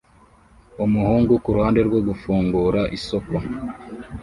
Umuhungu kuruhande rwo gufungura isoko